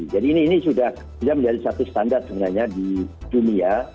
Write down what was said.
jadi ini sudah menjadi satu standar sebenarnya di dunia